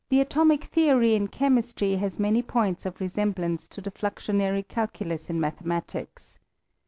The atomic theory in chemistry has many points of resemblance to the fluxionary calculus in mathe matics.